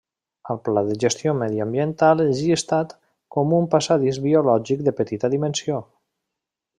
Al pla de gestió mediambiental és llistat com un passadís biològic de petita dimensió.